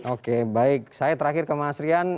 oke baik saya terakhir ke mas rian